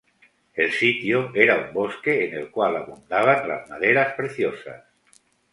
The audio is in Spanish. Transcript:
El sitio era un bosque en el cual abundaban las maderas preciosas.